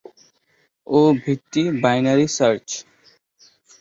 ও ভিত্তি binary search.